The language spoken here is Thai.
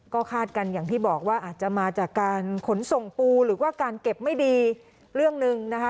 ก็คาดกันอย่างที่บอกว่าอาจจะมาจากการขนส่งปูหรือว่าการเก็บไม่ดีเรื่องหนึ่งนะคะ